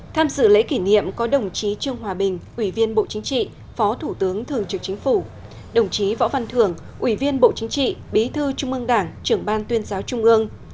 tham dự lễ kỷ niệm có đồng chí trương hòa bình ủy viên bộ chính trị phó thủ tướng thường trực chính phủ đồng chí võ văn thường ủy viên bộ chính trị bí thư trung ương đảng trưởng ban tuyên giáo trung ương